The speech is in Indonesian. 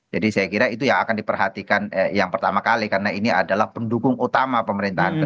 jadi saya kira itu yang akan diperhatikan yang pertama kali karena ini adalah pendukung utama pemerintahan ke depan